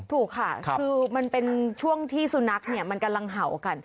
ถูกค่ะคือมันเป็นช่วงที่สุนัขเนี่ยมันกำลังเห่ากัน